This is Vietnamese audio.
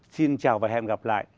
xin chào và hẹn gặp lại